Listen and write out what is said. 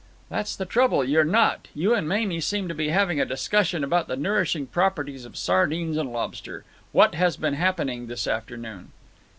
"That's the trouble. You're not. You and Mamie seem to be having a discussion about the nourishing properties of sardines and lobster. What has been happening this afternoon?"